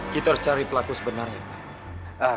kita harus cari pelaku sebenarnya